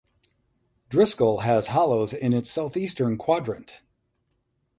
Driscoll has hollows in its southeastern quadrant.